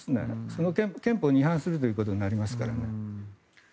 その憲法に違反するということになりますからね。